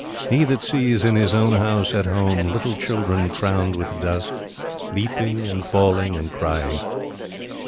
He that sees in his own house at home little children crowned with dust, leaping and falling and crying."